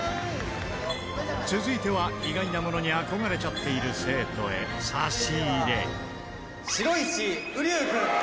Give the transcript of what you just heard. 続いては意外なものに憧れちゃっている生徒へ差し入れ。